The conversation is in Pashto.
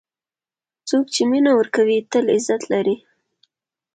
څوک چې مینه ورکوي، تل عزت لري.